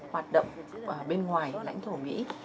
hoạt động bên ngoài lãnh thổ mỹ